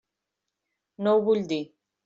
No ho vull dir.